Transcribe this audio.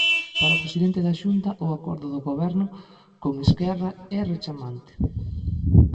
Para o presidente da Xunta, o acordo do Goberno con Esquerra é rechamante.